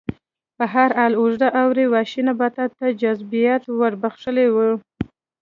په هر حال اوږد اوړي وحشي نباتاتو ته جذابیت ور بخښلی و